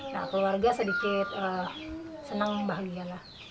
nah keluarga sedikit senang bahagia lah